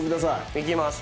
行きます。